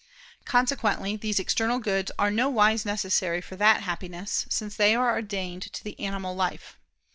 Consequently these external goods are nowise necessary for that Happiness, since they are ordained to the animal life.